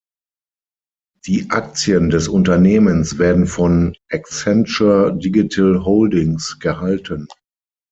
Die Aktien des Unternehmens werden von Accenture Digital Holdings gehalten.